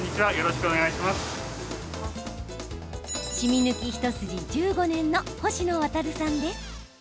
しみ抜き一筋１５年の星野亙さんです。